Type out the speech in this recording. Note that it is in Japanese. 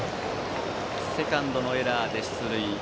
セカンドのエラーで出塁。